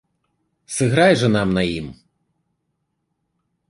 Сыграй жа нам на ім!